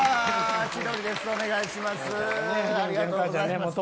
千鳥です、お願いします。